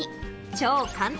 超簡単！